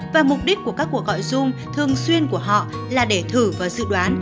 và mục đích của các cuộc gọi dung thường xuyên của họ là để thử và dự đoán